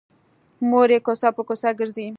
مور یې کوڅه په کوڅه ګرځي